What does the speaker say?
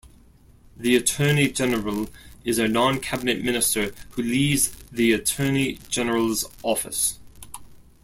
The Attorney General is a non-cabinet minister who leads the Attorney General's Office.